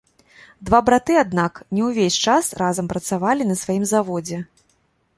Два браты аднак не ўвесь час разам працавалі на сваім заводзе.